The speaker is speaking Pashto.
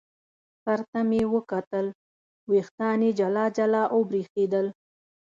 سر ته مې یې وکتل، وریښتان یې جلا جلا او برېښېدل.